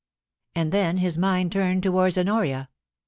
And then his mind turned towards Honoria.